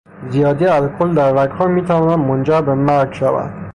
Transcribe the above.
زیادی الکل در رگها میتواند منجر به مرگ شود.